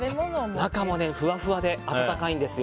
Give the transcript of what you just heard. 中もふわふわで暖かいんですよ。